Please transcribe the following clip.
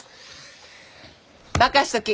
任しとき！